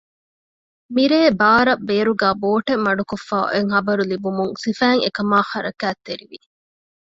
މިރޭ ބާރަށް ބޭރުގައި ބޯޓެއް މަޑުކޮށްފައި އޮތް ޚަބަރު ލިބިގެން ސިފައިން އެކަމާ ޙަރަކާތްތެރިވި